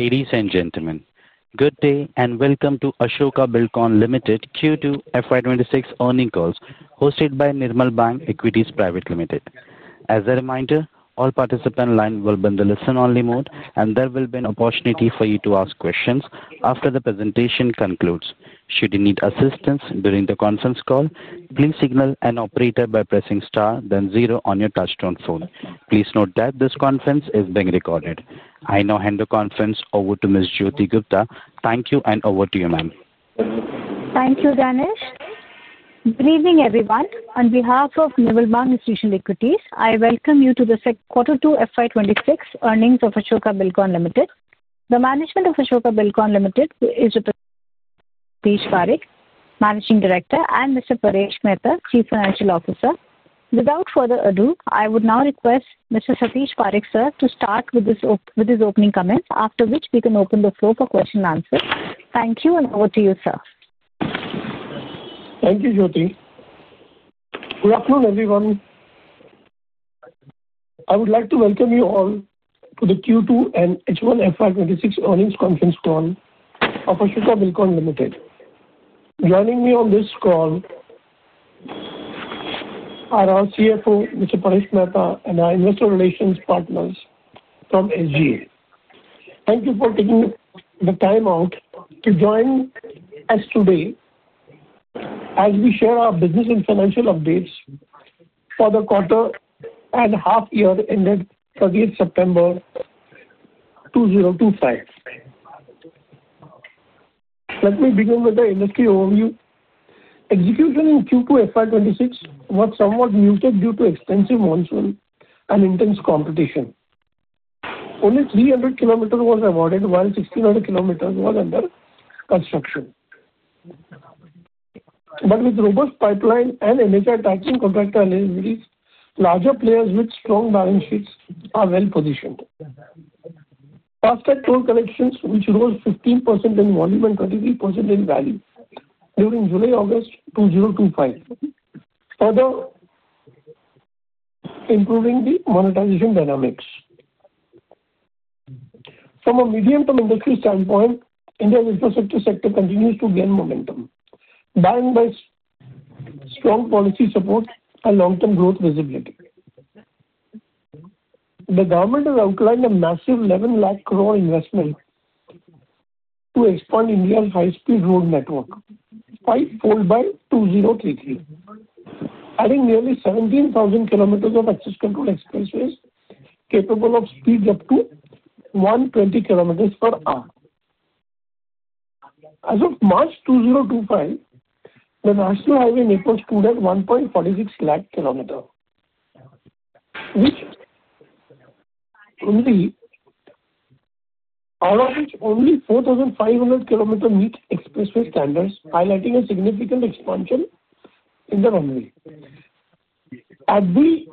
Ladies and gentlemen, good day and welcome to Ashoka Buildcon Limited Q2 FY26 earnings call, hosted by Nirmal Bang Equities Private Limited. As a reminder, all participants' lines will be in the listen-only mode, and there will be an opportunity for you to ask questions after the presentation concludes. Should you need assistance during the conference call, please signal an operator by pressing star, then zero on your touch-tone phone. Please note that this conference is being recorded. I now hand the conference over to Ms. Jyoti Gupta. Thank you, and over to you, ma'am. Thank you, Danish. Good evening, everyone. On behalf of Nirmal Bang Institutional Equities, I welcome you to the Q2 FY2026 earnings of Ashoka Buildcon Limited. The management of Ashoka Buildcon Limited is with Satish Parakh, Managing Director, and Mr. Paresh Mehta, Chief Financial Officer. Without further ado, I would now request Mr. Satish Parakh, sir, to start with his opening comments, after which we can open the floor for questions and answers. Thank you, and over to you, sir. Thank you, Jyoti. Good afternoon, everyone. I would like to welcome you all to the Q2 and H1 FY2026 earnings conference call of Ashoka Buildcon Limited. Joining me on this call are our CFO, Mr. Paresh Mehta, and our investor relations partners from SGA. Thank you for taking the time out to join us today as we share our business and financial updates for the quarter and half-year ended 30th September 2025. Let me begin with the industry overview. Execution in Q2 FY2026 was somewhat muted due to extensive monsoon and intense competition. Only 300 km was awarded while 1,600 km was under construction. With robust pipeline and MHR taxing contract eligibility, larger players with strong balance sheets are well positioned. Fast track toll collections, which rose 15% in volume and 23% in value during July-August 2025, further improving the monetization dynamics. From a medium-term industry standpoint, India's infrastructure sector continues to gain momentum, bound by strong policy support and long-term growth visibility. The government has outlined a massive 11 lakh crore investment to expand India's high-speed road network, fivefold by 2033, adding nearly 17,000 km of access control expressways capable of speeds up to 120 km per hour. As of March 2025, the national highway network stood at 1.46 lakh km, of which only 4,500 km meets expressway standards, highlighting a significant expansion in the runway. At the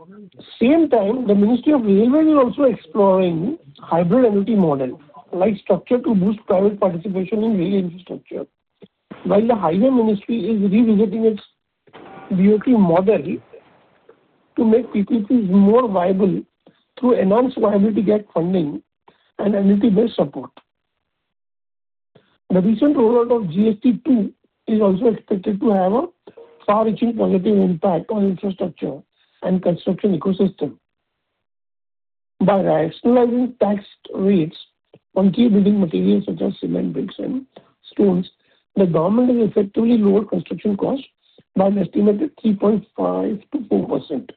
same time, the Ministry of Railways is also exploring hybrid MUT models like structure to boost private participation in rail infrastructure, while the Highway Ministry is revisiting its DOT model to make PPTs more viable through enhanced viability gap funding and MUT-based support. The recent rollout of GST 2.0 is also expected to have a far-reaching positive impact on infrastructure and construction ecosystem. By rationalizing tax rates on key building materials such as cement, bricks, and stones, the government has effectively lowered construction costs by an estimated 3.5%-4%.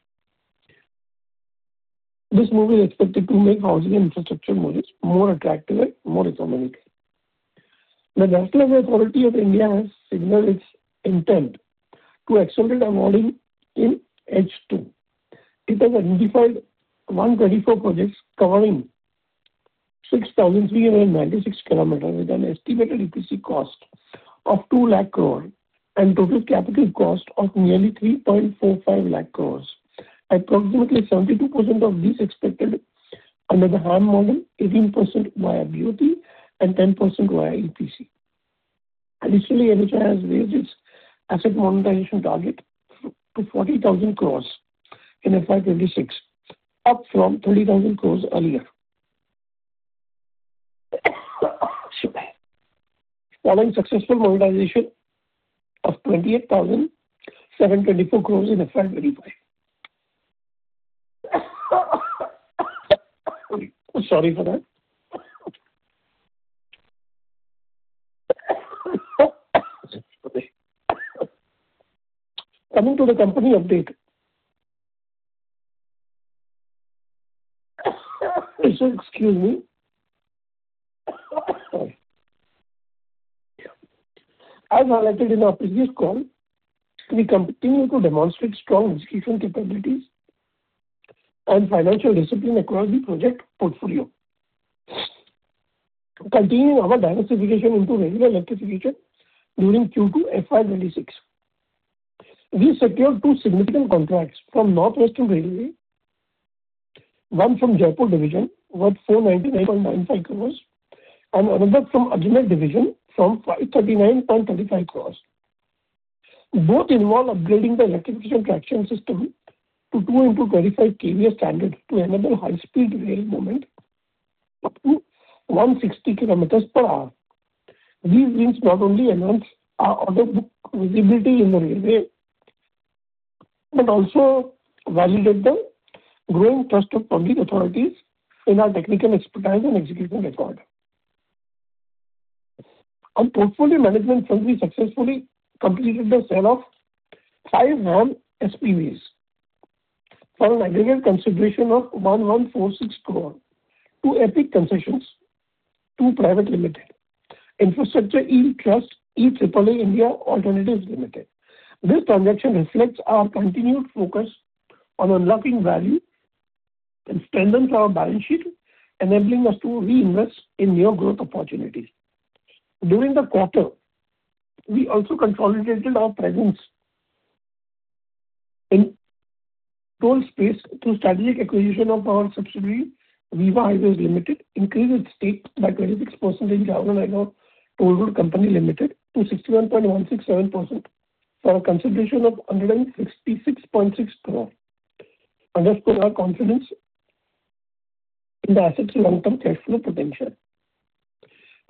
This move is expected to make housing and infrastructure models more attractive and more economical. The National Highways Authority of India has signaled its intent to accelerate onboarding in H2. It has identified 124 projects covering 6,396 km with an estimated EPC cost of 2 lakh crore and total capital cost of nearly 3.45 lakh crore. Approximately 72% of these are expected under the HAM model, 18% via BOT, and 10% via EPC. Additionally, NHAI has raised its asset monetization target to 40,000 crore in FY 2026, up from 30,000 crore earlier, following successful monetization of 28,724 crore in FY 2025. Sorry for that. Coming to the company update, so excuse me. As highlighted in our previous call, we continue to demonstrate strong execution capabilities and financial discipline across the project portfolio, continuing our diversification into regular electrification during Q2 FY2026. We secured two significant contracts from North Western Railway, one from Jaipur Division worth 499.95 crore, and another from Ajmer Division for 539.35 crore. Both involve upgrading the electrification traction system to 225 kV standard to enable high-speed rail movement up to 160 kilometers per hour. These wins not only enhance our order book visibility in railway but also validate the growing trust of public authorities in our technical expertise and execution record. On portfolio management funds, we successfully completed the sale of five HAM SPVs for an aggregate consideration of 1,146 crore to Epic Concessions II Private Limited, Infrastructure E-Trust, and E-AAA India Alternatives Limited. This transaction reflects our continued focus on unlocking value and strengthens our balance sheet, enabling us to reinvest in new growth opportunities. During the quarter, we also consolidated our presence in toll space through strategic acquisition of our subsidiary, Viva Highways Limited, increased its stake by 26% in Jhavana Agro Toll Road Company Limited to 61.167% for a consideration of 166.6 crore, underscoring our confidence in the asset's long-term cash flow potential.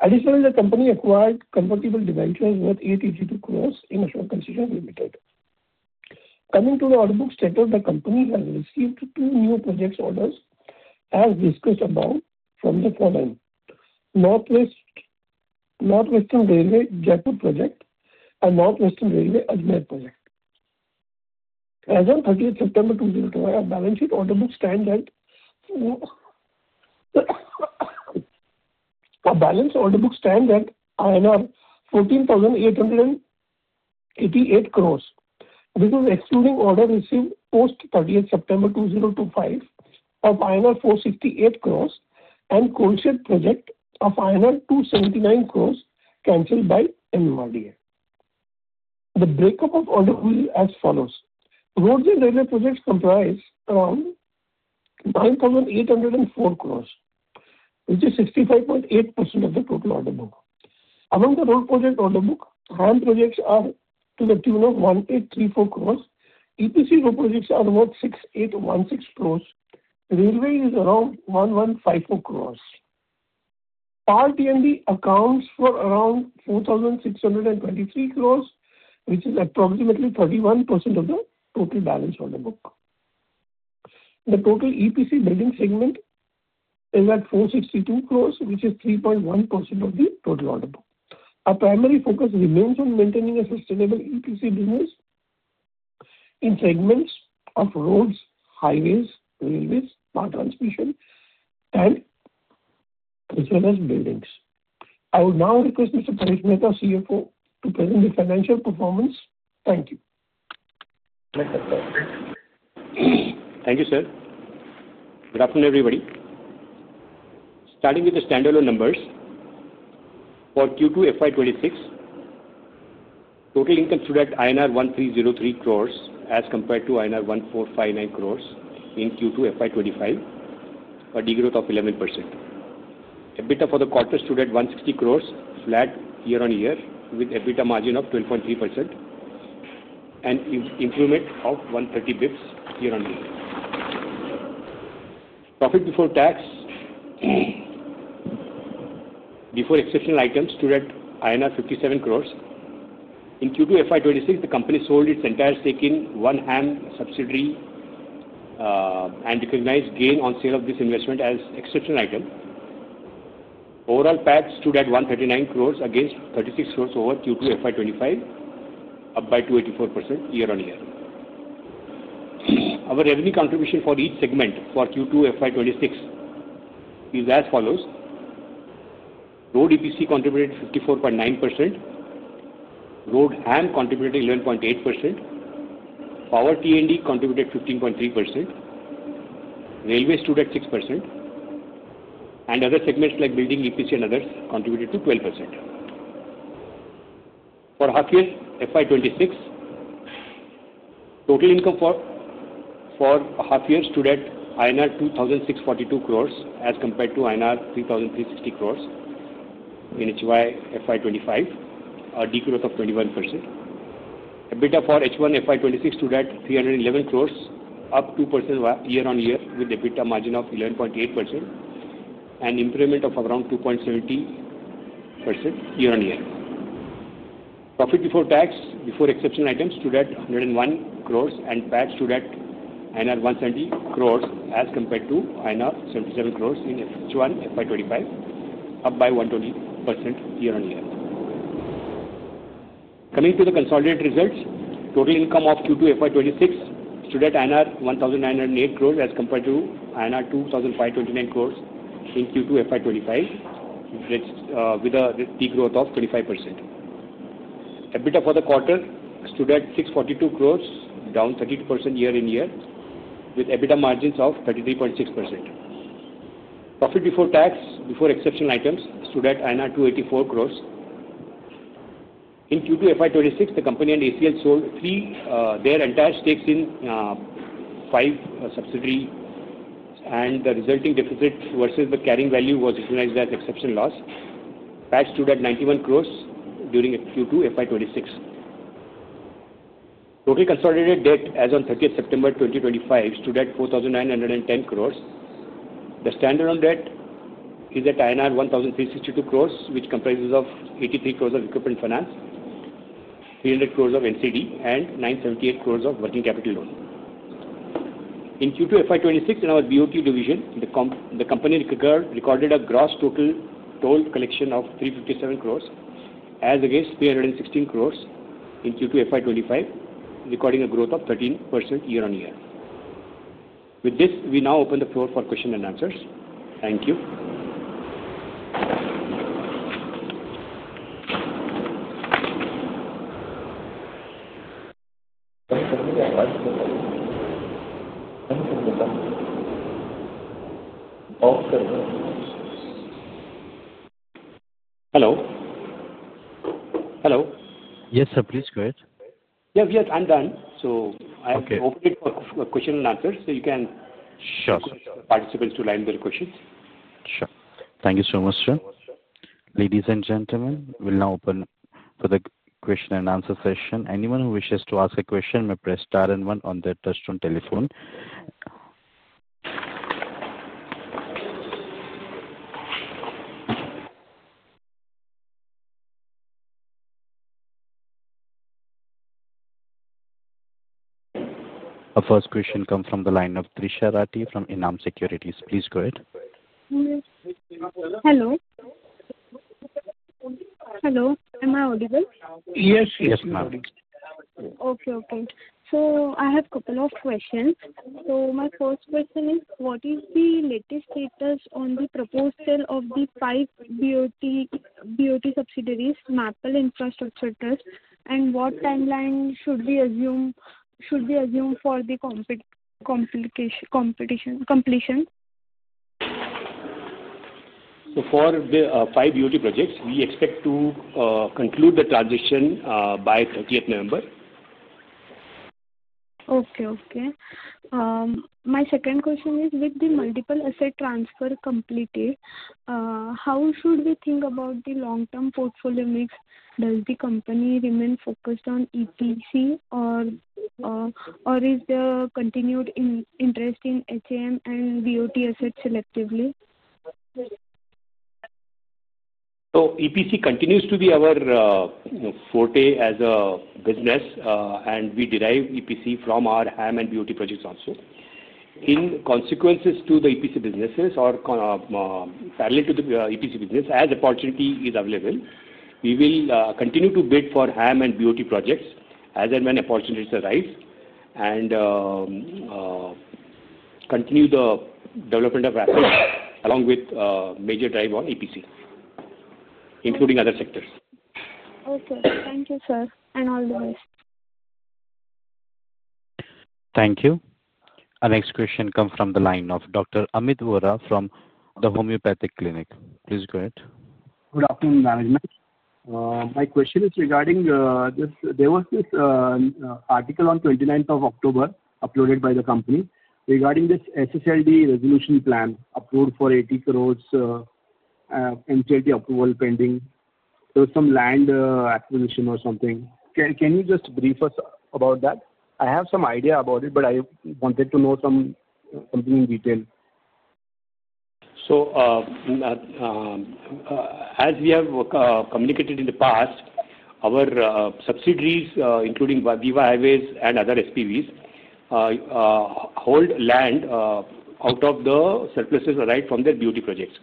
Additionally, the company acquired convertible debentures worth INR 882 crore in Ashoka Concessions Limited. Coming to the order book status, the company has received two new project orders, as discussed above, from the following: North Western Railway Jaipur Project and North Western Railway Ajmer Project. As of 30th September 2025, our balance sheet order book stands at INR 14,888 crore. This is excluding orders received post 30 September 2025 of 468 crores and Coal Shed Project of INR 279 crores canceled by NYDA. The breakup of order book is as follows. Roads and railway projects comprise around 9,804 crores, which is 65.8% of the total order book. Among the road project order book, HAM projects are to the tune of 1,834 crores. EPC road projects are worth 6,816 crores. Railway is around 1,154 crores. Power T&D accounts for around 4,623 crores, which is approximately 31% of the total balance order book. The total EPC building segment is at 462 crores, which is 3.1% of the total order book. Our primary focus remains on maintaining a sustainable EPC business in segments of roads, highways, railways, power transmission, and as well as buildings. I would now request Mr. Paresh Mehta, CFO, to present the financial performance. Thank you. Thank you, sir. Good afternoon, everybody. Starting with the standalone numbers, for Q2 FY2026, total income stood at INR 1,303 crores as compared to INR 1,459 crores in Q2 FY2025, a degrowth of 11%. EBITDA for the quarter stood at INR 160 crores, flat year-on-year, with EBITDA margin of 12.3% and improvement of 130 basis points year-on-year. Profit before exceptional items stood at INR 57 crores. In Q2 FY2026, the company sold its entire stake in one HAM subsidiary and recognized gain on sale of this investment as exceptional item. Overall PAT stood at 139 crores against 36 crores over Q2 FY2025, up by 284% year-on-year. Our revenue contribution for each segment for Q2 FY2026 is as follows: Road EPC contributed 54.9%, Road HAM contributed 11.8%, Power T&D contributed 15.3%, Railway stood at 6%, and other segments like Building, EPC, and others contributed to 12%. For half-year FY 2026, total income for half-year stood at INR 2,642 crores as compared to INR 3,360 crores in HY FY 2025, a degrowth of 21%. EBITDA for H1 FY 2026 stood at 311 crores, up 2% year-on-year with EBITDA margin of 11.8% and improvement of around 2.70% year-on-year. Profit before exceptional items stood at 101 crores and PAT stood at INR 170 crores as compared to INR 77 crores in H1 FY 2025, up by 120% year-on-year. Coming to the consolidated results, total income of Q2 FY 2026 stood at INR 1,908 crores as compared to INR 2,529 crores in Q2 FY 2025, with a degrowth of 25%. EBITDA for the quarter stood at 642 crores, down 32% year-on-year, with EBITDA margins of 33.6%. Profit before exceptional items stood at INR 284 crores. In Q2 FY26, the company and ACL sold their entire stakes in five subsidiaries, and the resulting deficit versus the carrying value was recognized as exceptional loss. PAT stood at 910 million during Q2 FY26. Total consolidated debt as of 30th September 2025 stood at 4,910 crore. The standalone debt is at INR 1,362 crore, which comprises 83 crore of equipment finance, 300 crore of NCD, and 978 crore of working capital loan. In Q2 FY26, in our BOT division, the company recorded a gross total toll collection of 357 crore as against 316 crore in Q2 FY25, recording a growth of 13% year-on-year. With this, we now open the floor for questions and answers. Thank you. Hello. Hello. Yes, sir. Please go ahead. Yeah, we are done, so I've opened it for questions and answers, so you can ask participants to line their questions. Sure. Thank you so much, sir. Ladies and gentlemen, we'll now open for the question and answer session. Anyone who wishes to ask a question may press star and one on their touchstone telephone. Our first question comes from the line of Trisha Rati from Enam Securities. Please go ahead. Hello. Hello. Am I audible? Yes, yes, ma'am. Okay, okay. I have a couple of questions. My first question is, what is the latest status on the proposed sale of the five BOT subsidiaries, Maple Infrastructure Trust, and what timeline should we assume for the completion? For the five BOT projects, we expect to conclude the transition by 30th November. Okay, okay. My second question is, with the multiple asset transfer completed, how should we think about the long-term portfolio mix? Does the company remain focused on EPC, or is there continued interest in HAM and BOT assets selectively? EPC continues to be our forte as a business, and we derive EPC from our HAM and BOT projects also. In consequences to the EPC businesses or parallel to the EPC business, as opportunity is available, we will continue to bid for HAM and BOT projects as and when opportunities arise and continue the development of assets along with major drive on EPC, including other sectors. Okay. Thank you, sir, and all the best. Thank you. Our next question comes from the line of Dr. Amit Vora from the Homeopathic Clinic. Please go ahead. Good afternoon, management. My question is regarding this—there was this article on 29th of October uploaded by the company regarding this SSLD resolution plan approved for 80 crore, MTLT approval pending. There was some land acquisition or something. Can you just brief us about that? I have some idea about it, but I wanted to know something in detail. As we have communicated in the past, our subsidiaries, including Viva Highways and other SPVs, hold land out of the surpluses arrived from their BOT projects.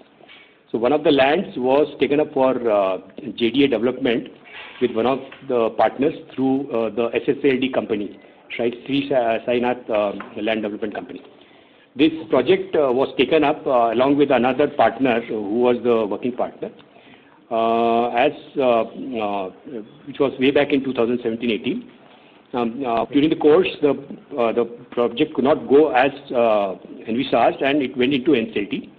One of the lands was taken up for JDA development with one of the partners through the SSLD company, SRI Srinath Land Development Company. This project was taken up along with another partner who was the working partner, which was way back in 2017-2018. During the course, the project could not go as envisaged, and it went into NCLT.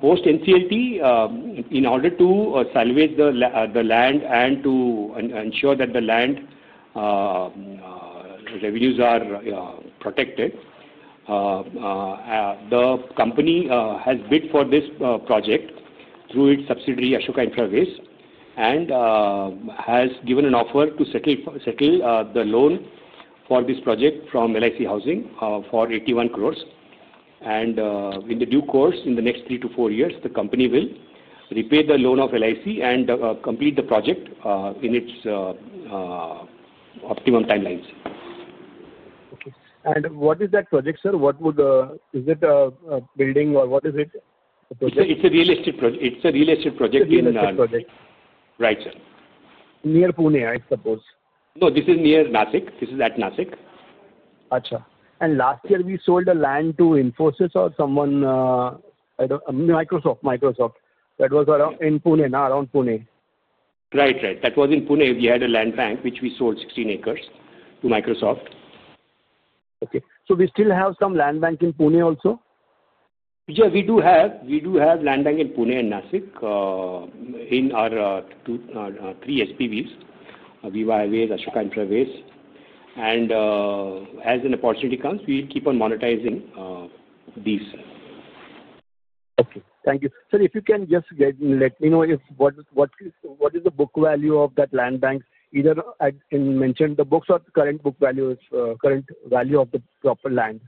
Post NCLT, in order to salvage the land and to ensure that the land revenues are protected, the company has bid for this project through its subsidiary, Ashoka Infra Waves, and has given an offer to settle the loan for this project from LIC Housing for 81 crore. In the due course, in the next three to four years, the company will repay the loan of LIC Housing Finance and complete the project in its optimum timelines. Okay. What is that project, sir? Is it a building or what is it? It's a real estate project. It's a real estate project in. Real estate project. Right, sir. Near Pune, I suppose. No, this is near Nashik. This is at Nashik. Ajha. Last year, we sold the land to Infosys or someone—I don't know—Microsoft, Microsoft. That was in Pune, around Pune. Right, right. That was in Pune. We had a land bank, which we sold 16 acres to Microsoft. Okay. So we still have some land bank in Pune also? Yeah, we do have land bank in Pune and Nashik in our three SPVs, Viva Highways, Ashoka Infra Waves. As an opportunity comes, we keep on monetizing these. Okay. Thank you. Sir, if you can just let me know what is the book value of that land bank, either in mentioned the books or the current book value, current value of the proper land?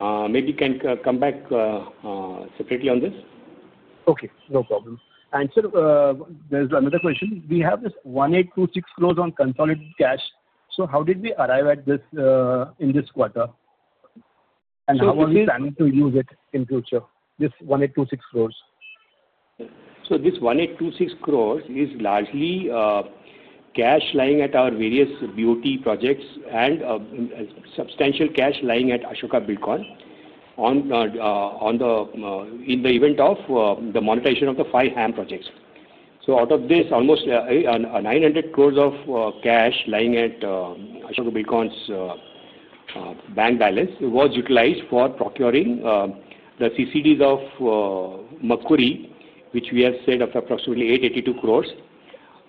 Maybe you can come back separately on this. Okay. No problem. Sir, there is another question. We have this 1,826 crore on consolidated cash. How did we arrive at this in this quarter? How are we planning to use it in future, this 1,826 crore? This 1,826 crore is largely cash lying at our various BOT projects and substantial cash lying at Ashoka Buildcon in the event of the monetization of the five HAM projects. Out of this, almost 900 crore of cash lying at Ashoka Buildcon's bank balance was utilized for procuring the CCDs of Makkuri, which we have said of approximately 882 crore,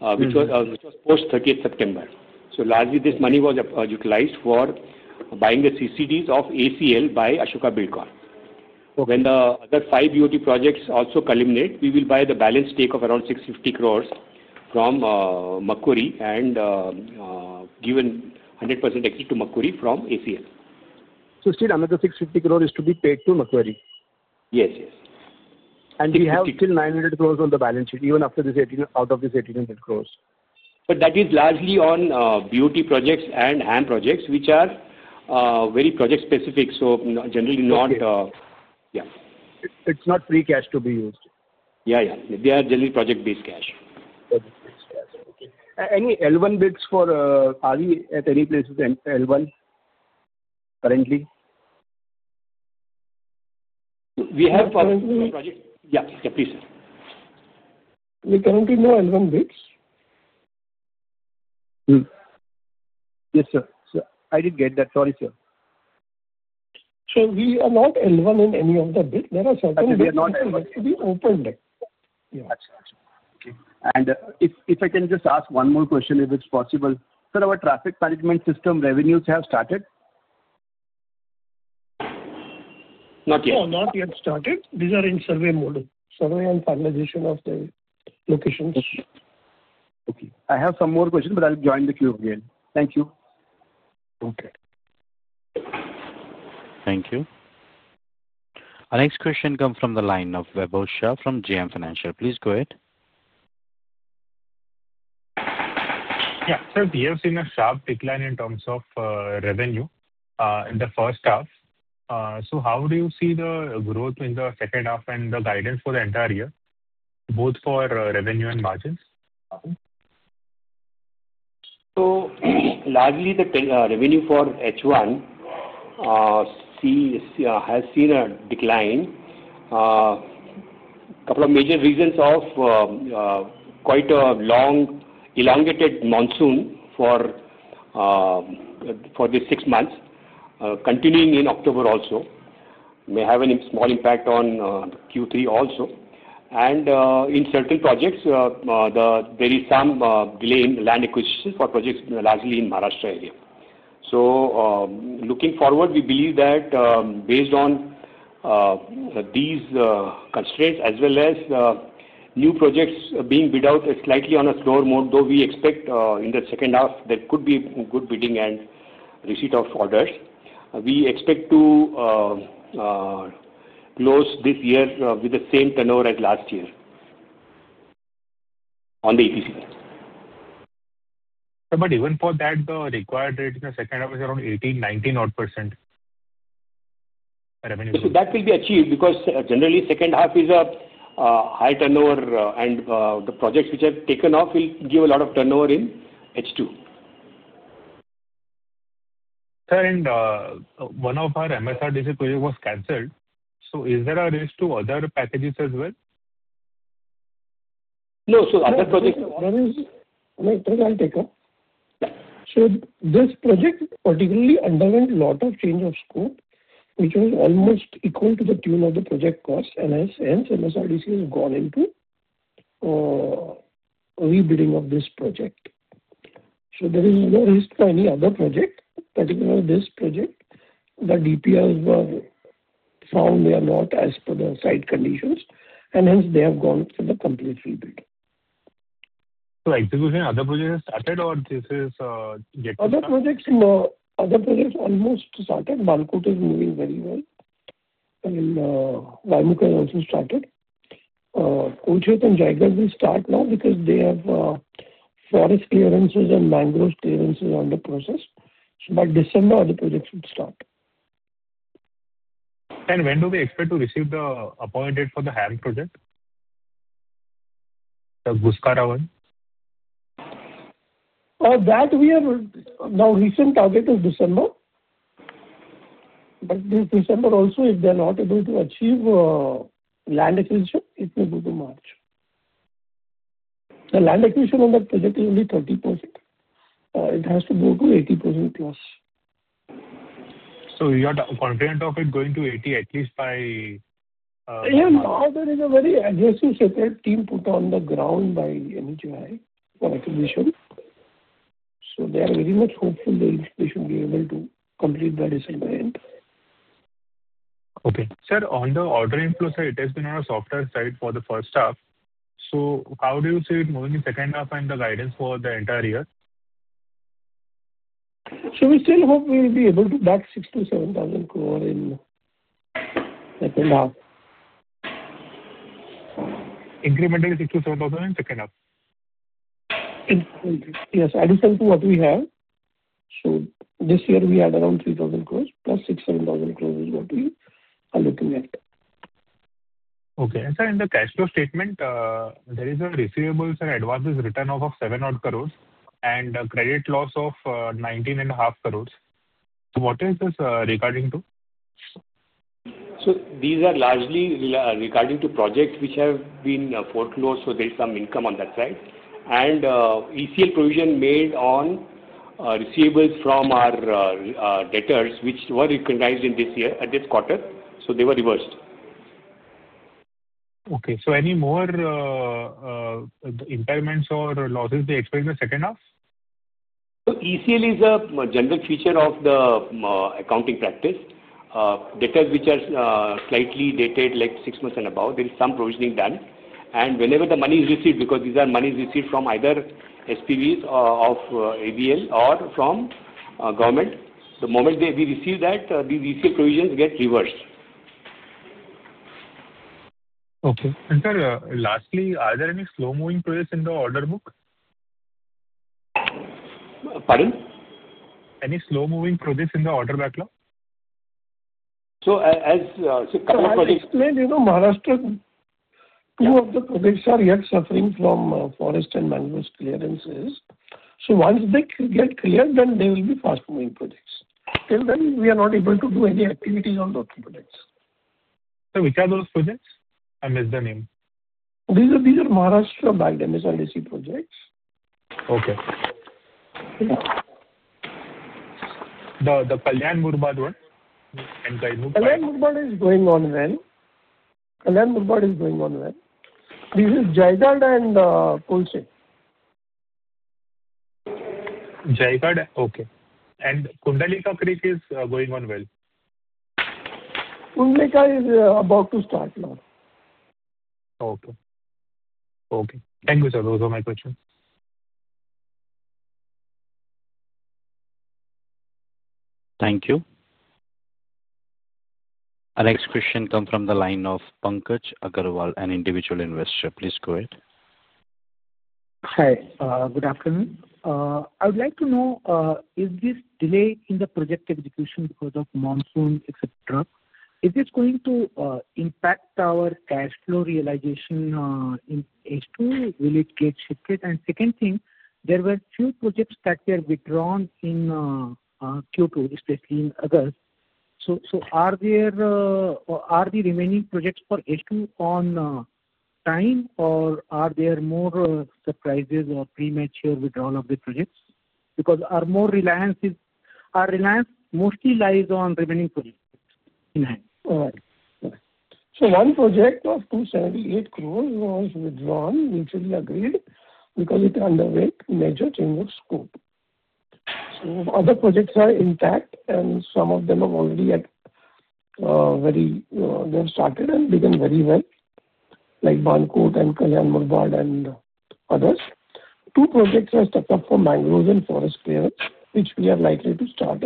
which was post 30th September. Largely, this money was utilized for buying the CCDs of ACL by Ashoka Buildcon. When the other five BOT projects also culminate, we will buy the balance stake of around 650 crore from Makkuri and give 100% exit to Makkuri from ACL. Still another 650 crore is to be paid to Makkuri. Yes, yes. We have still 900 crore on the balance sheet even after this 1,800 crore. That is largely on BOT projects and HAM projects, which are very project-specific, so generally not. It's not free cash to be used. Yeah, yeah. They are generally project-based cash. Any L1 bids for Pali at any places, L1 currently? We have a project. Yeah, yeah, please, sir. We currently have no L1 bids. Yes, sir. I did get that. Sorry, sir. We are not L1 in any of the bids. There are certain bids that we opened. If I can just ask one more question, if it's possible, sir, our traffic management system revenues have started? Not yet. Not yet started. These are in survey mode, survey and finalization of the locations. Okay. I have some more questions, but I'll join the queue again. Thank you. Okay. Thank you. Our next question comes from the line of Vibhor from JM Financial. Please go ahead. Yeah, sir, we have seen a sharp decline in terms of revenue in the first half. How do you see the growth in the second half and the guidance for the entire year, both for revenue and margins? Largely, the revenue for H1 has seen a decline. A couple of major reasons are quite a long elongated monsoon for these six months, continuing in October also, which may have a small impact on Q3 also. In certain projects, there is some delay in land acquisition for projects largely in the Maharashtra area. Looking forward, we believe that based on these constraints as well as new projects being bid out slightly on a slower mode, though we expect in the second half there could be good bidding and receipt of orders. We expect to close this year with the same tenor as last year on the EPC. Even for that, the required rate in the second half is around 18-19% revenue. That will be achieved because generally, second half is a high turnover, and the projects which have taken off will give a lot of turnover in H2. Sir, and one of our MSRDC projects was canceled. Is there a risk to other packages as well? No, so other projects. There is, I'll take up. So this project particularly underwent a lot of change of scope, which was almost equal to the tune of the project cost, and hence MSRDC has gone into rebidding of this project. There is no risk for any other project, particularly this project. The DPRs were found they are not as per the site conditions, and hence they have gone for the complete rebid. Execution of other projects has started, or this is yet to start? Other projects almost started. Malkut is moving very well. Valmukha has also started. Coochbehar and Jaigarh will start now because they have forest clearances and mangrove clearances under process. By December, other projects should start. When do we expect to receive the appointed date for the HAM project, the Bhuskaravan? That we have now recent target is December. This December also, if they're not able to achieve land acquisition, it will go to March. The land acquisition on that project is only 30%. It has to go to 80% plus. You are confident of it going to 80 at least by? Yeah, now there is a very aggressive separate team put on the ground by MHI for acquisition. So they are very much hopeful they should be able to complete by December end. Okay. Sir, on the order inflow side, it has been on a softer side for the first half. How do you see it moving in the second half and the guidance for the entire year? We still hope we will be able to back 6,000-7,000 crore in second half. Incrementally 6,000-7,000 in second half? Yes, addition to what we have. This year, we had around 3,000 crore plus 6,000-7,000 crore is what we are looking at. Okay. Sir, in the cash flow statement, there is a receivables and advances return of 7 crore and a credit loss of 19.5 crore. What is this regarding to? These are largely regarding to projects which have been foreclosed, so there is some income on that side. ECL provision made on receivables from our debtors, which were recognized in this year, this quarter, so they were reversed. Okay. So any more impairments or losses they expect in the second half? ECL is a general feature of the accounting practice. Debtors which are slightly dated, like six months and above, there is some provisioning done. Whenever the money is received, because these are monies received from either SPVs of ADL or from government, the moment we receive that, these ECL provisions get reversed. Okay. Sir, lastly, are there any slow-moving projects in the order book? Pardon? Any slow-moving projects in the order backlog? As a couple of projects. As I explained, you know, Maharashtra, two of the projects are yet suffering from forest and mangrove clearances. Once they get cleared, they will be fast-moving projects. Until then, we are not able to do any activities on those projects. Which are those projects? I missed the name. These are Maharashtra-backed MSRDC projects. Okay. The Kalyan Murbad one and Kalyan Murbad? Kalyan Murbad is going on well. This is Jaigarh and Coochheath. Jaigarh, okay. Kundalika Creek is going on well? Kundalika is about to start now. Okay. Okay. Thank you, sir. Those are my questions. Thank you. Our next question comes from the line of Pankaj Agarwal, an individual investor. Please go ahead. Hi. Good afternoon. I would like to know, is this delay in the project execution because of monsoon, etc., is this going to impact our cash flow realization in H2? Will it get shifted? The second thing, there were a few projects that were withdrawn in Q2, especially in August. Are the remaining projects for H2 on time, or are there more surprises or premature withdrawal of the projects? Because our reliance mostly lies on remaining projects in hand. One project of 278 crore was withdrawn, mutually agreed, because it underwent major change of scope. Other projects are intact, and some of them have already started and begun very well, like Malkut and Kalyan Murbad and others. Two projects are stuck up for mangroves and forest clearance, which we are likely to start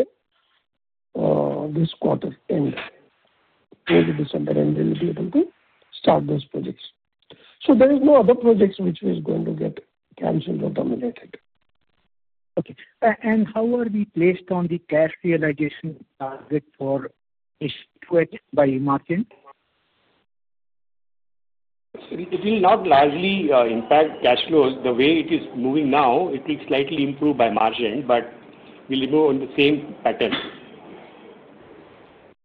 this quarter end, towards the December end, we will be able to start those projects. There are no other projects which we are going to get canceled or terminated. Okay. How are we placed on the cash realization target for H2 by margin? It will not largely impact cash flows. The way it is moving now, it will slightly improve by margin, but we'll be moving on the same pattern.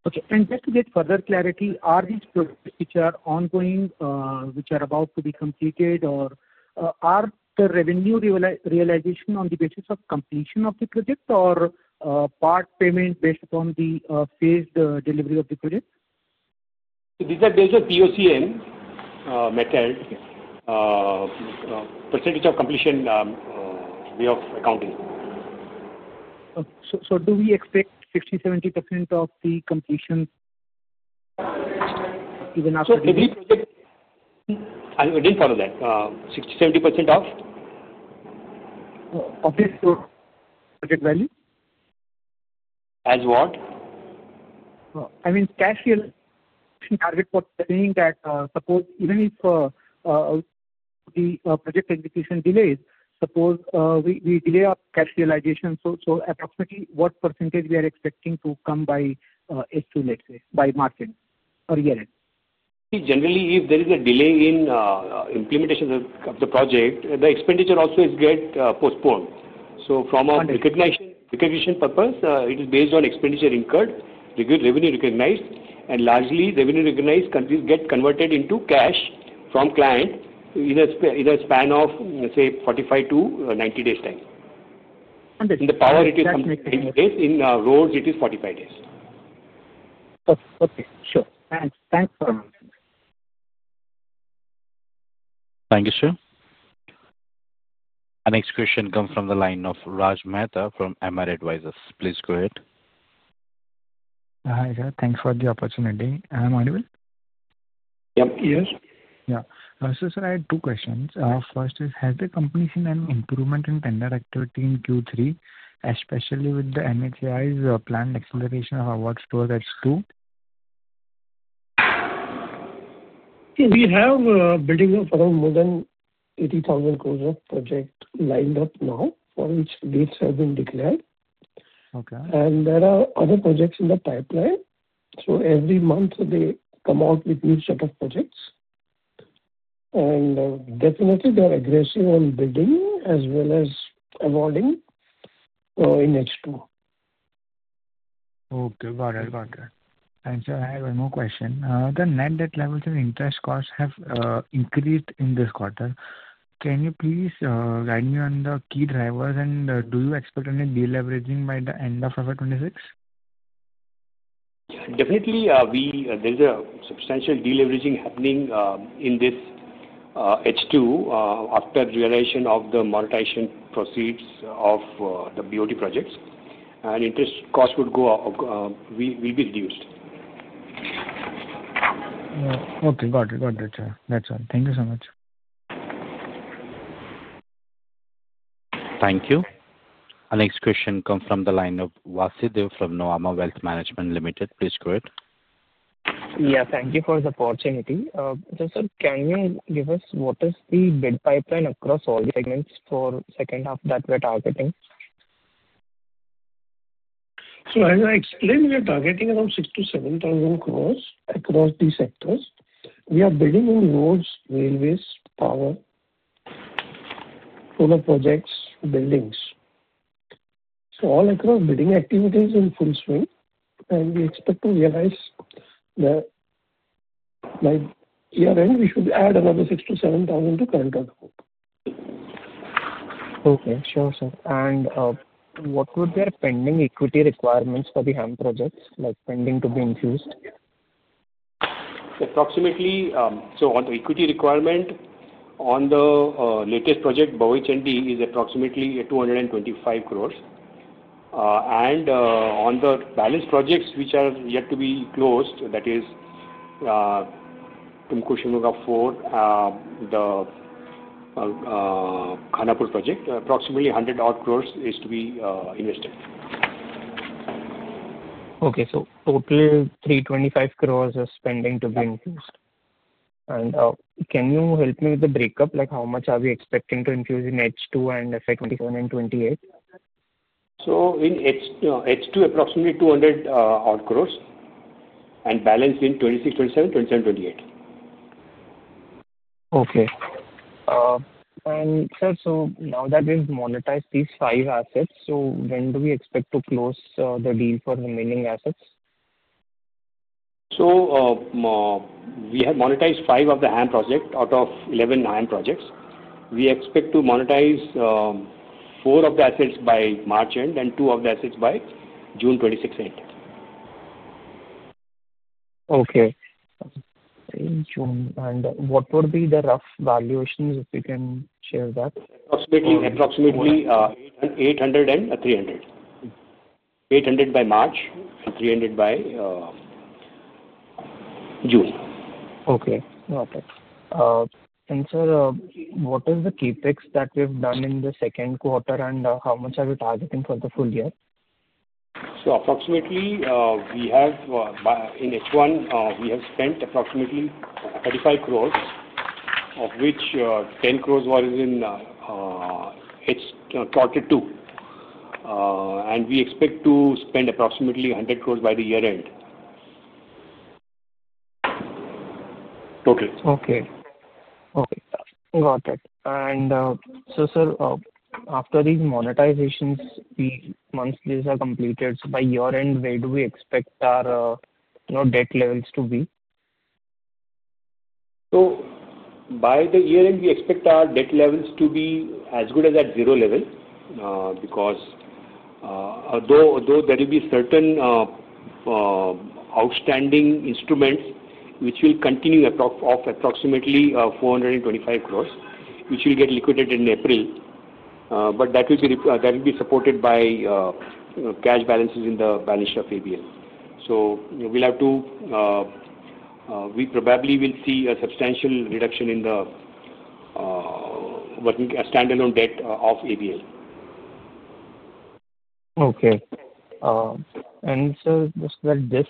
Okay. Just to get further clarity, are these projects which are ongoing, which are about to be completed, or is the revenue realization on the basis of completion of the project or part payment based upon the phased delivery of the project? These are based on POCN method, percentage of completion way of accounting. Do we expect 60-70% of the completion even after the project? Every project, I didn't follow that. 60-70% of? Of this project value? As what? I mean, cash realization target for saying that suppose even if the project execution delays, suppose we delay our cash realization, so approximately what % we are expecting to come by H2, let's say, by margin or year-end? Generally, if there is a delay in implementation of the project, the expenditure also is get postponed. From a recognition purpose, it is based on expenditure incurred, revenue recognized, and largely revenue recognized countries get converted into cash from client in a span of, say, 45-90 days' time. In the power, it is 45 days. In roads, it is 45 days. Okay. Sure. Thanks for. Thank you, sir. Our next question comes from the line of Raj Mehta from MR Advisors. Please go ahead. Hi, sir. Thanks for the opportunity. I'm Audhivil. Yes. Yeah. So sir, I had two questions. First is, has the completion and improvement in tender activity in Q3, especially with the MHI's planned acceleration of awards towards H2? We have a building of around more than 80,000 crore of projects lined up now for which bids have been declared. There are other projects in the pipeline. Every month, they come out with a new set of projects. They are definitely aggressive on bidding as well as awarding in H2. Okay. Got it. Got it. Sir, I have one more question. The net debt levels and interest costs have increased in this quarter. Can you please guide me on the key drivers, and do you expect any de-leveraging by the end of FY 2026? Definitely, there is a substantial de-leveraging happening in this H2 after realization of the monetization proceeds of the BOT projects. Interest costs will be reduced. Okay. Got it. Got it, sir. That's all. Thank you so much. Thank you. Our next question comes from the line of Vasudev from Navama Wealth Management. Please go ahead. Yeah. Thank you for the opportunity. So sir, can you give us what is the bid pipeline across all the segments for the second half that we are targeting? As I explained, we are targeting around 6,000-7,000 crore across these sectors. We are building on roads, railways, power, solar projects, buildings. All across, building activities are in full swing. We expect to realize that by year-end, we should add another 6,000-7,000 crore to current output. Okay. Sure, sir. What would be the pending equity requirements for the HAM projects, like pending to be infused? On the equity requirement, on the latest project, Bhavai Chandi, it is approximately 225 crore. On the balanced projects, which are yet to be closed, that is Kumkushinoga 4, the Khanapur project, approximately 100 crore is to be invested. Okay. So total 325 crore is pending to be infused. And can you help me with the breakup? Like how much are we expecting to infuse in H2 and FY 2027 and FY 2028? In H2, approximately 200 crore and balanced in 2026-2027, 2027-2028. Okay. And sir, now that we've monetized these five assets, when do we expect to close the deal for remaining assets? We have monetized five of the HAM projects out of 11 HAM projects. We expect to monetize four of the assets by March end and two of the assets by June 2026 end. Okay. What would be the rough valuations if we can share that? Approximately 800 and 300. 800 by March and 300 by June. Okay. Got it. Sir, what is the capex that we have done in the second quarter, and how much are we targeting for the full year? Approximately, in H1, we have spent approximately 350,000,000, of which 100,000,000 was in H2 2022. We expect to spend approximately 1,000,000,000 by the year-end total. Okay. Okay. Got it. And sir, after these monetizations, once these are completed, by year-end, where do we expect our debt levels to be? By the year-end, we expect our debt levels to be as good as at zero level because though there will be certain outstanding instruments which will continue of approximately 425 crore, which will get liquidated in April, but that will be supported by cash balances in the balance sheet of ABL. We probably will see a substantial reduction in the standalone debt of ABL. Okay. And sir, this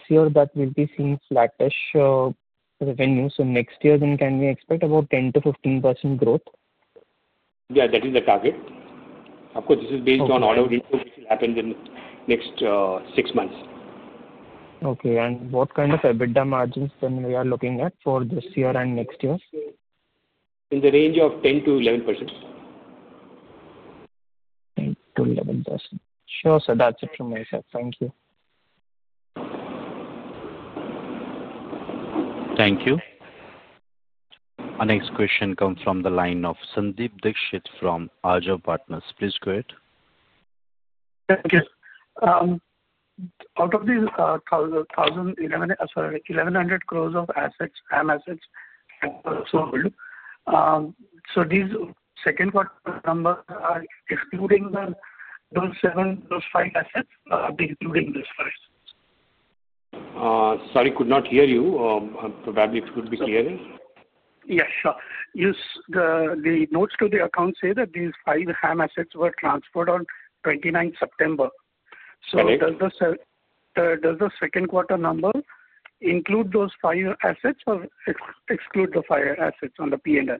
year, that we'll be seeing flattish revenue. So next year, then can we expect about 10-15% growth? Yeah. That is the target. Of course, this is based on all of the inflation that happens in the next six months. Okay. What kind of EBITDA margins then are we looking at for this year and next year? In the range of 10-11%. 10-11%. Sure, sir. That's it from my side. Thank you. Thank you. Our next question comes from the line of Sandeep Dixit from Aljab Partners. Please go ahead. Thank you. Out of these 1,100 crore of assets, HAM assets, so to speak, do these second quarter numbers exclude those five assets or do they include those five assets? Sorry, could not hear you. Probably it could be clearer. Yeah. Sure. The notes to the account say that these five HAM assets were transferred on 29 September. So does the second quarter number include those five assets or exclude the five assets on the P&L?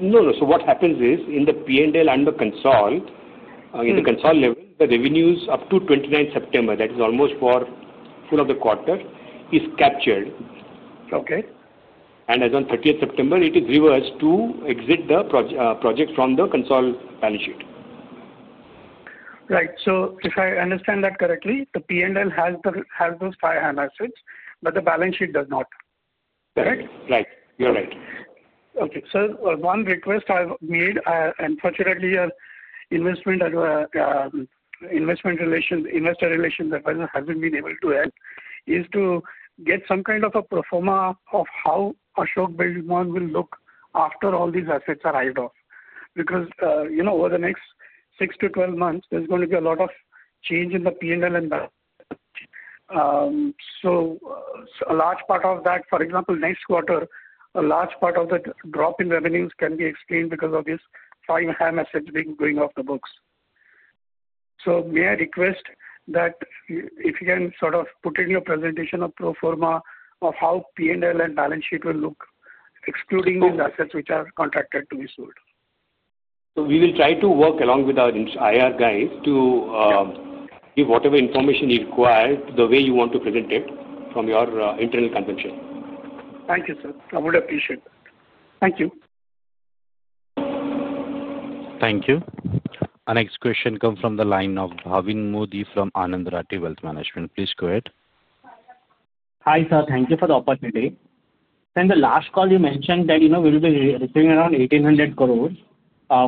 No. So what happens is in the P&L and the console, in the console level, the revenues up to 29 September, that is almost for full of the quarter, is captured. As on 30 September, it is reversed to exit the project from the console balance sheet. Right. So if I understand that correctly, the P&L has those five HAM assets, but the balance sheet does not. Correct? Right. You're right. Okay. Sir, one request I've made, unfortunately, investor relations department hasn't been able to help, is to get some kind of a proforma of how Ashoka Buildcon will look after all these assets are divested off. Because over the next 6-12 months, there's going to be a lot of change in the P&L and the balance sheet. So a large part of that, for example, next quarter, a large part of the drop in revenues can be explained because of these five HAM assets going off the books. So may I request that if you can sort of put in your presentation a proforma of how P&L and balance sheet will look, excluding the assets which are contracted to be sold? We will try to work along with our IR guys to give whatever information you require, the way you want to present it from your internal consumption. Thank you, sir. I would appreciate that. Thank you. Thank you. Our next question comes from the line of Bhavin Modi from Anand Rathi Wealth Management. Please go ahead. Hi, sir. Thank you for the opportunity. In the last call you mentioned that we will be receiving around 1,800 crore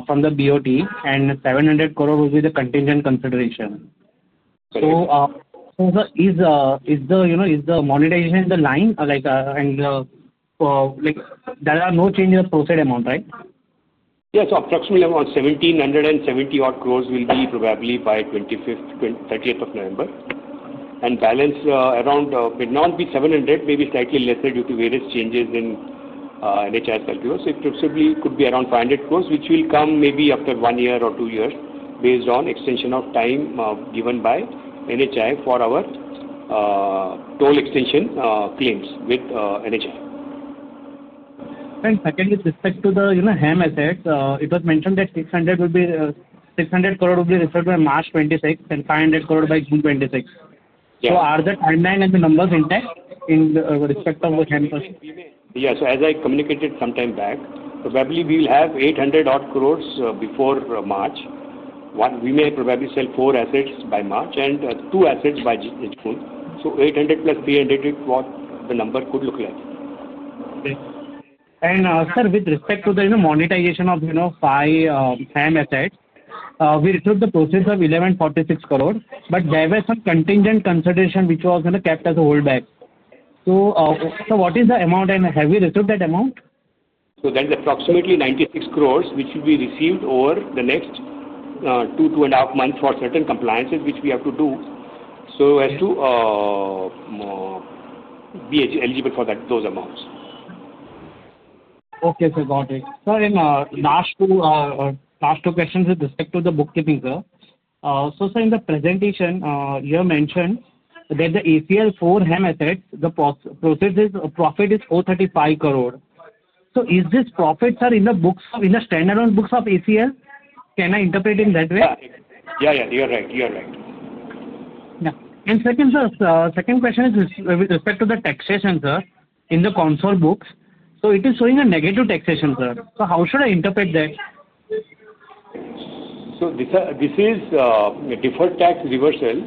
from the BOT, and 700 crore will be the contingent consideration. Is the monetization in line? There are no changes in the proceed amount, right? Yes. Approximately around 1,770 crore will be probably by 30th of November. The balance around will not be 700 crore, maybe slightly lesser due to various changes in NHAI's calculus. It could be around 500 crore, which will come maybe after one year or two years based on extension of time given by NHAI for our toll extension claims with NHAI. Secondly, with respect to the HAM assets, it was mentioned that 600 crore will be referred by March 2026 and 500 crore by June 2026. Are the timeline and the numbers intact in respect of the HAM? Yes. As I communicated sometime back, probably we will have 800 crore before March. We may probably sell four assets by March and two assets by June. So 800 plus 300 is what the number could look like. Okay. Sir, with respect to the monetization of five HAM assets, we received the proceeds of INR 1,146 crore, but there was some contingent consideration which was kept as a holdback. What is the amount, and have we received that amount? That is approximately 960,000,000, which will be received over the next two to two and a half months for certain compliances which we have to do so as to be eligible for those amounts. Okay. Sir, got it. Sir, and last two questions with respect to the bookkeeping, sir. In the presentation, you mentioned that the ACL four HAM assets, the profit is 435 crore. Is this profit, sir, in the standalone books of ACL? Can I interpret it that way? Yeah. Yeah. You're right. You're right. Yeah. Second question is with respect to the taxation, sir, in the console books. It is showing a negative taxation, sir. How should I interpret that? This is deferred tax reversal.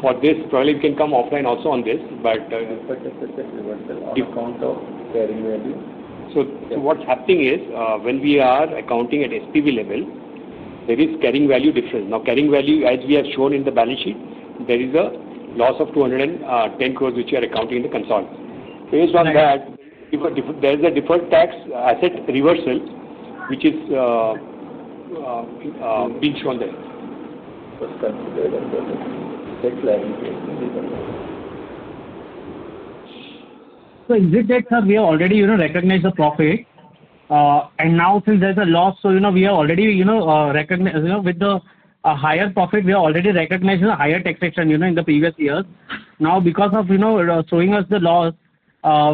For this, probably it can come offline also on this. Deferred tax reversal on account of carrying value? What's happening is when we are accounting at SPV level, there is carrying value difference. Now, carrying value, as we have shown in the balance sheet, there is a loss of 2.10 billion which we are accounting in the console. Based on that, there is a deferred tax asset reversal which is being shown there. It's considered as deferred tax. It takes liability as the deferred tax. Is it that, sir, we have already recognized the profit, and now since there's a loss, we have already recognized with the higher profit, we have already recognized the higher taxation in the previous years? Now, because of showing us the loss,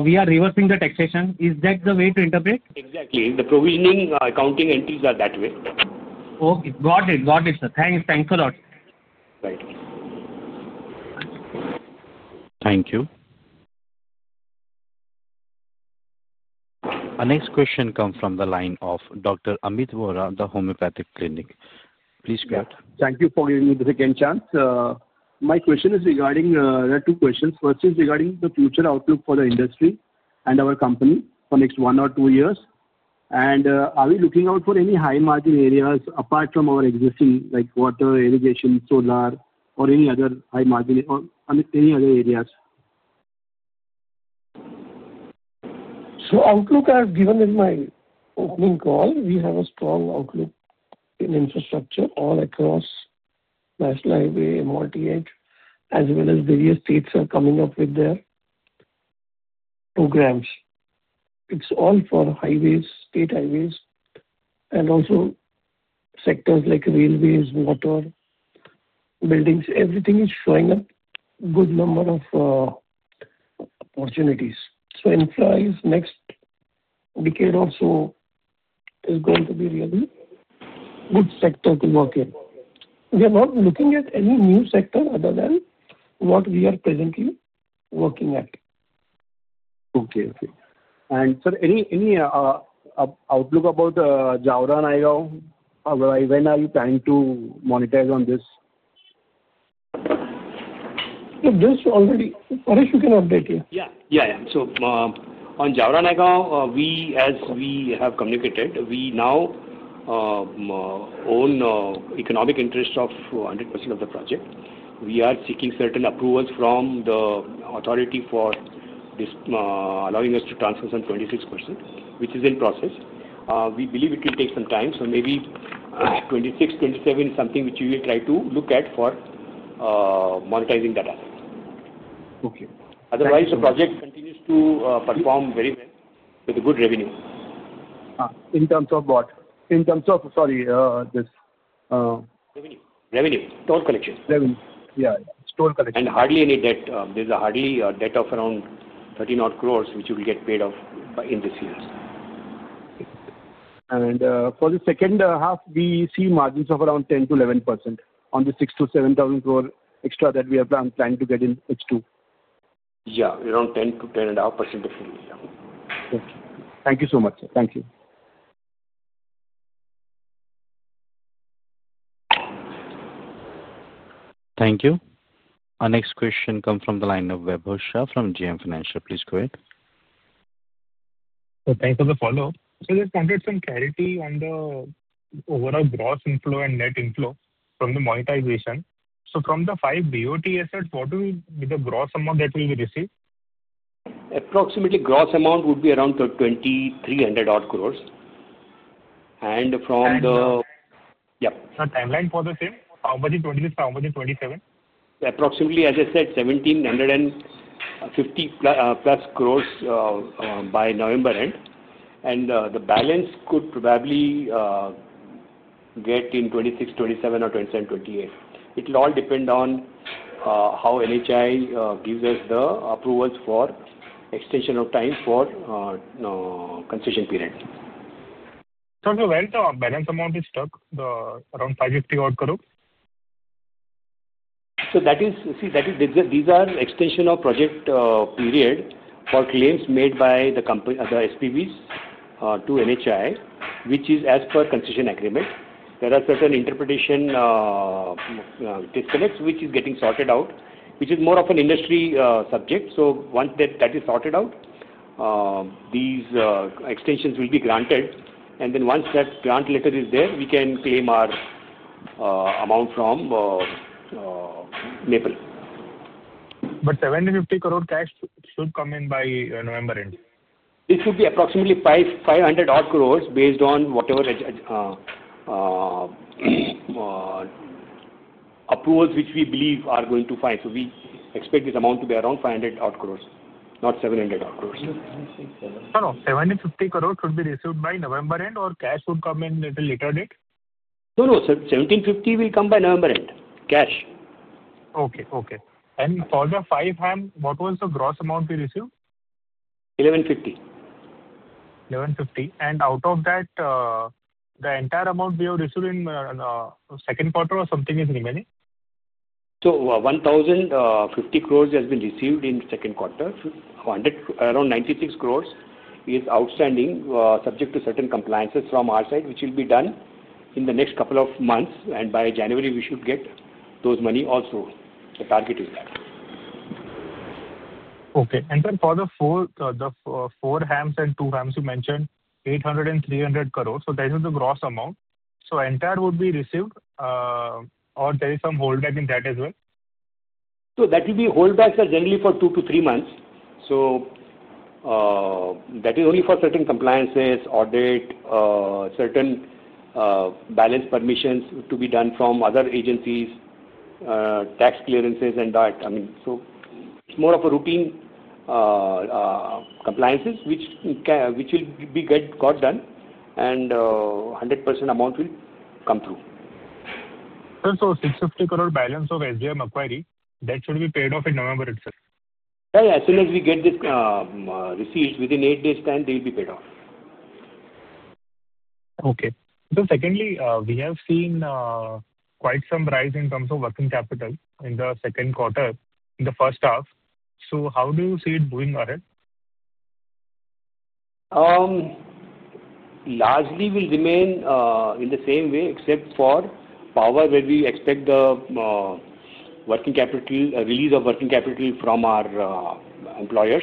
we are reversing the taxation. Is that the way to interpret? Exactly. The provisioning accounting entries are that way. Okay. Got it. Got it, sir. Thanks. Thanks a lot. Right. Thank you. Our next question comes from the line of Dr. Amit Vora, the Homeopathic Clinic. Please go ahead. Thank you for giving me the second chance. My question is regarding there are two questions. First is regarding the future outlook for the industry and our company for the next one or two years. And are we looking out for any high-margin areas apart from our existing, like water, irrigation, solar, or any other high-margin or any other areas? Outlook I have given in my opening call. We have a strong outlook in infrastructure all across National Highway, MRTH, as well as various states are coming up with their programs. It is all for highways, state highways, and also sectors like railways, water, buildings. Everything is showing up, good number of opportunities. In fact, next decade or so is going to be really a good sector to work in. We are not looking at any new sector other than what we are presently working at. Okay. Okay. Sir, any outlook about Jaora-Indore-Guna-Anuppur? When are you planning to monetize on this? This already, Paresh, you can update you. Yeah. Yeah. Yeah. So on Jaora-Indore-Guna-Anuppur, as we have communicated, we now own economic interest of 100% of the project. We are seeking certain approvals from the authority for allowing us to transfer some 26%, which is in process. We believe it will take some time. Maybe 2026-2027 is something which we will try to look at for monetizing that asset. Okay. Otherwise, the project continues to perform very well with good revenue. In terms of what? In terms of, sorry, this? Revenue. Revenue. Toll collection. Revenue. Yeah. Toll collection. is hardly any debt. There is hardly debt of around 13 crore, which we will get paid off in this year. Okay. For the second half, we see margins of around 10%-11% on the 6,000-7,000 crore extra that we have planned to get in H2. Yeah. Around 10-10.5%. Okay. Thank you so much, sir. Thank you. Thank you. Our next question comes from the line of Vibhor from JM Financial. Please go ahead. Thanks for the follow-up. Just wanted some clarity on the overall gross inflow and net inflow from the monetization. From the five BOT assets, what will be the gross amount that will be received? Approximately gross amount would be around 2,300 crore. From the. Timeline? Yeah. Timeline for the same? How much is 26, how much is 27? Approximately, as I said, 1,750 crore-plus by November end. The balance could probably get in 2026-2027 or 2027-2028. It will all depend on how NHAI gives us the approvals for extension of time for concession period. Sir, so where is the balance amount is stuck, around INR 550 crore? That is, see, these are extension of project period for claims made by the SPVs to NHAI, which is as per concession agreement. There are certain interpretation disconnects which is getting sorted out, which is more of an industry subject. Once that is sorted out, these extensions will be granted. Once that grant letter is there, we can claim our amount from Maple. 750 crore tax should come in by November end? It should be approximately 500 crore based on whatever approvals which we believe are going to find. We expect this amount to be around 500 crore, not 700 crore. Okay. No, no. 750 crore should be received by November end, or cash would come in at a later date? No, no. 1,750 will come by November end, cash. Okay. Okay. For the five HAM, what was the gross amount we received? 1,150. 1,150. And out of that, the entire amount we have received in second quarter or something is remaining? 1,050 crore has been received in second quarter. Around 96 crore is outstanding, subject to certain compliances from our side, which will be done in the next couple of months. By January, we should get those money also. The target is that. Okay. And sir, for the four HAMs and two HAMs you mentioned, 800 crore and 300 crore, so that is the gross amount. So entire would be received, or there is some holdback in that as well? That will be holdback, sir, generally for two-three months. That is only for certain compliances, audit, certain balance permissions to be done from other agencies, tax clearances, and that. I mean, it is more of a routine compliances which will be got done, and 100% amount will come through. Sir, so 650 crore balance of SBI M acquiry, that should be paid off in November itself? Yeah. As soon as we get this receipt, within eight days' time, they will be paid off. Okay. Secondly, we have seen quite some rise in terms of working capital in the second quarter, in the first half. How do you see it moving ahead? Largely will remain in the same way, except for power where we expect the release of working capital from our employers.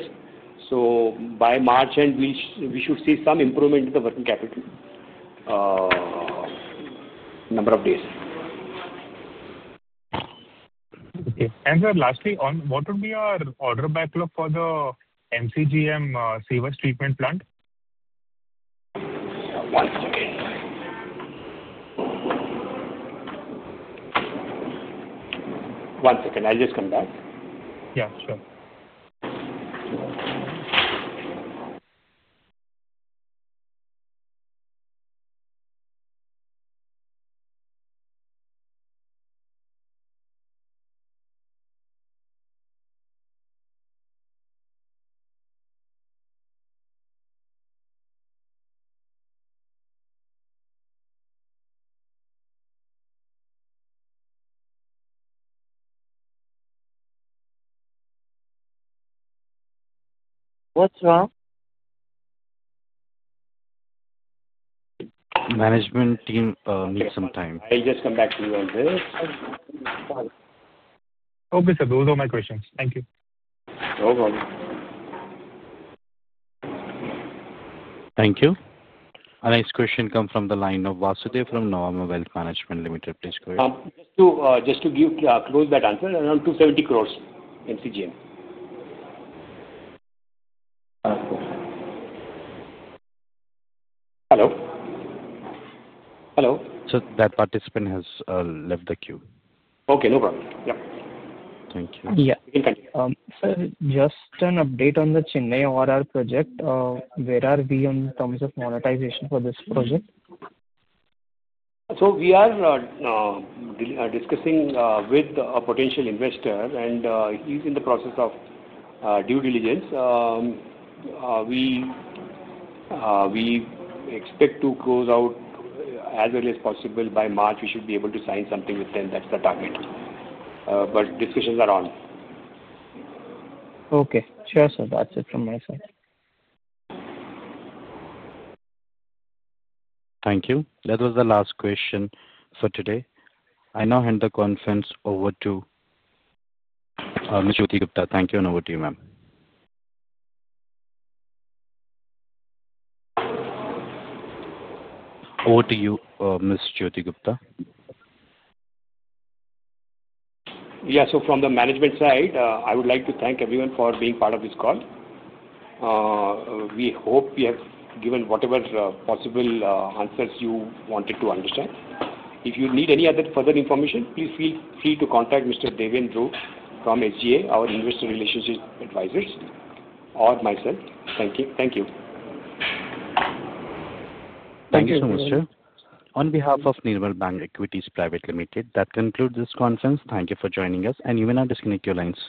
By March end, we should see some improvement in the working capital number of days. Okay. And sir, lastly, what would be our order backlog for the MCGM sewage treatment plant? One second. I'll just come back. Yeah. Sure. What's wrong? Management team needs some time. I'll just come back to you on this. Okay, sir. Those are my questions. Thank you. No problem. Thank you. Our next question comes from the line of Vasudev from Navama Wealth Management. Please go ahead. Just to close that answer, around 270 crore MCGM. Hello. Hello? That participant has left the queue. Okay. No problem. Yeah. Thank you. Yeah. You can continue. Sir, just an update on the Chennai ORR project. Where are we in terms of monetization for this project? We are discussing with a potential investor, and he's in the process of due diligence. We expect to close out as early as possible. By March, we should be able to sign something with them. That's the target. Discussions are on. Okay. Sure, sir. That's it from my side. Thank you. That was the last question for today. I now hand the conference over to Ms. Jyoti Gupta. Thank you, and over to you, ma'am. Over to you, Ms. Jyoti Gupta. Yeah. From the management side, I would like to thank everyone for being part of this call. We hope we have given whatever possible answers you wanted to understand. If you need any other further information, please feel free to contact Mr. Devendra from SGA, our investor relationship advisors, or myself. Thank you. Thank you. Thank you so much, sir. On behalf of Nirmal Bang Institutional Equities, that concludes this conference. Thank you for joining us, and you may now disconnect your lines.